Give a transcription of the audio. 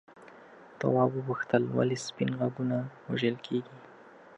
تواب وپوښتل ولې سپین غوږونه وژل کیږي.